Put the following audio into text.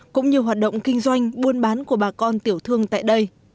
cũng như hoạt động kinh doanh buôn bán của bà con tiểu thương tại đây